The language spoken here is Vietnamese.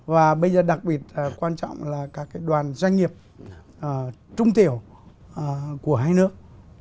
và bây giờ đặc biệt quan trọng là các đoàn doanh nghiệp trung tiểu của hai nước